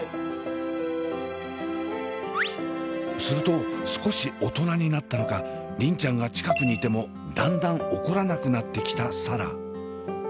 すると少し大人になったのか梨鈴ちゃんが近くにいてもだんだん怒らなくなってきた紗蘭。